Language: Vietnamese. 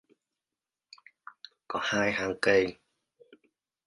Có hai hang cây